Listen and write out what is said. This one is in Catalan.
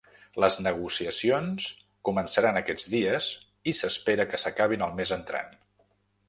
Les negociacions començaran aquests dies i s’espera que s’acabin el mes entrant.